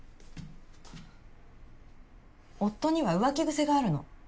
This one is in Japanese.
夫には浮気癖があるの。